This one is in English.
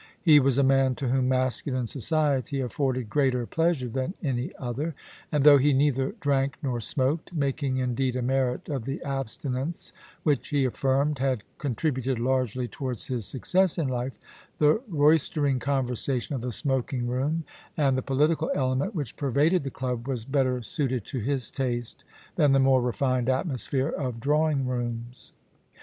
He was a man to whom masculine society afforded greater plea sure than any other, and though he neither drank nor smoked, making indeed a merit of the abstinence which he affirmed had contributed largely towards his success in life, the roystering conversation of the smoking room, and the HERCULES AND OMPHALE. los political element which pervaded the club, was better suited to his taste than the more refined atmosphere of drawing rooms.